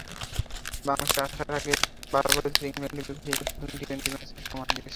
বাংলাদেশে আসার আগে বার্বাডোজে ইংল্যান্ডের বিপক্ষে সিরিজের প্রথম টি-টোয়েন্টি ম্যাচেও প্রমাণ দিয়েছেন।